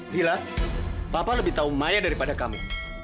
villa papa lebih tahu maya daripada kamu